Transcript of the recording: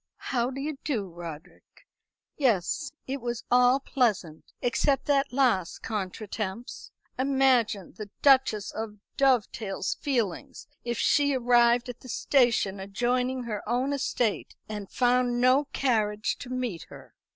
"How do you do, Roderick? Yes; it was all pleasant except that last contretemps. Imagine the Duchess of Dovedale's feelings if she arrived at the station adjoining her own estate, and found no carriage to meet her!"